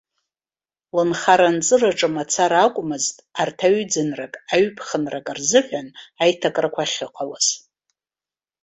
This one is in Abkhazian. Лынхара-нҵыраҿы мацара акәмызт арҭ аҩ-ӡынрак, аҩ-ԥхынрак рзыҳәан аиҭакрақәа ахьыҟалаз.